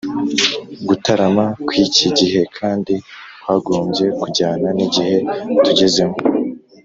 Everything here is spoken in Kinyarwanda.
Gutarama kw’iki gihe kandi kwagombye kujyana n’igihe tugezemo